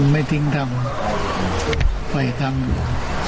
ไม่ทิ้งทำไปทำอยู่